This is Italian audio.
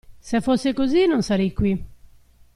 Se fosse così non sarei qui.